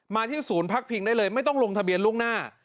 ที่ศูนย์พักพิงได้เลยไม่ต้องลงทะเบียนล่วงหน้า